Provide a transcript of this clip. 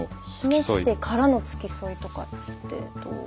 示してからの付き添いとかってどう。